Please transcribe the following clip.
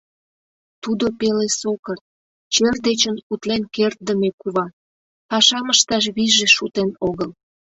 Тудо пеле сокыр, чер дечын утлен кертдыме кува, пашам ышташ вийже шутен огыл.